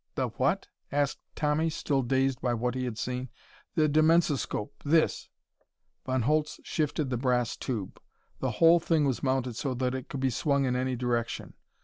"The what?" asked Tommy, still dazed by what he had seen. "The dimensoscope. This." Von Holtz shifted the brass tube. The whole thing was mounted so that it could be swung in any direction.